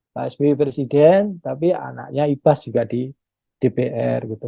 pak sby presiden tapi anaknya ibas juga di dpr gitu